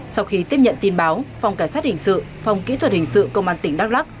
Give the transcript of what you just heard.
sau khi tiếp nhận tin báo phòng cảnh sát hình sự phòng kỹ thuật hình sự công an tỉnh đắk lắc